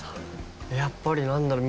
やっぱりなんだろう